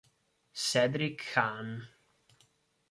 Cédric Kahn